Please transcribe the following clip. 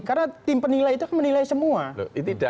karena tim penilai itu menilai semua